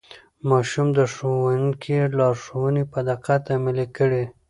ماشوم د ښوونکي لارښوونې په دقت عملي کړې